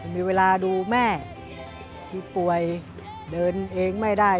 มีเวลาดูแม่ที่ป่วยเดินเองไม่ได้